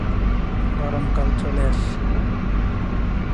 ঘরোয়া প্রথম-শ্রেণীর ক্রিকেটে কর্ণাটকের প্রতিনিধিত্ব করেছেন তিনি।